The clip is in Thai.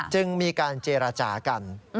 จึงมีการเจรจากัน